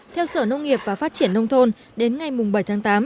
theo sở nông nghiệp và phát triển nông thôn đến ngày bảy tháng tám